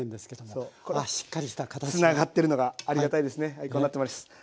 はいこうなってます。